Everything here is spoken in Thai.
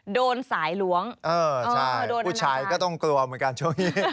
โดนสายหลวงโดนอนาจารย์ผู้ชายก็ต้องกลัวเหมือนกันช่วงนี้